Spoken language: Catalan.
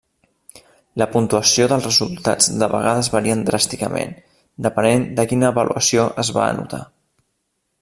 La puntuació dels resultats de vegades varien dràsticament, depenent de quina avaluació es va anotar.